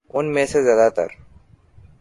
ان میں سے زیادہ تر